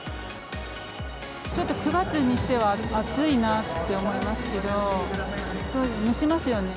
ちょっと９月にしては暑いなって思いますけど、やっぱり蒸しますよね。